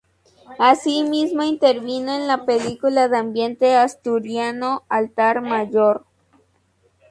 Así mismo intervino en la película de ambiente asturiano "Altar Mayor".